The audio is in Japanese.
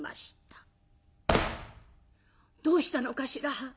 「どうしたのかしら。